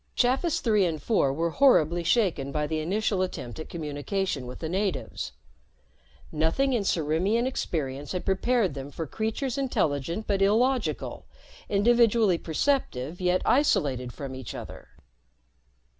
Chafis Three and Four were horribly shaken by the initial attempt at communication with the natives. Nothing in Ciriimian experience had prepared them for creatures intelligent but illogical, individually perceptive yet isolated from each other.